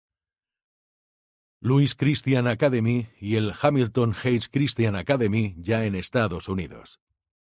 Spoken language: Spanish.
Louis Christian Academy y el Hamilton Heights Christian Academy ya en Estados Unidos.